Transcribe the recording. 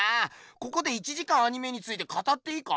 ここで１時間アニメについて語っていいか？